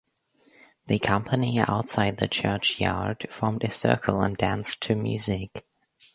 The company outside the churchyard formed a circle and danced to music.